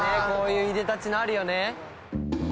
こういういでたちのあるよね」